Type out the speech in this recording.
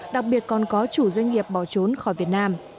đặc biệt còn có chủ doanh nghiệp bỏ trốn khỏi việt nam